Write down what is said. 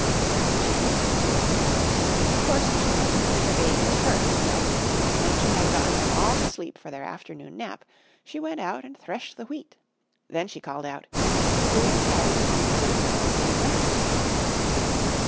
And she did. Of course, she had to feed her babies first, though, and when she had gotten them all to sleep for their afternoon nap, she went out and threshed the Wheat. Then she called out: "Who will carry the Wheat to the mill to be ground?"